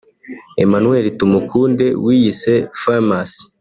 Emmanuel Tumukunde wiyise Famous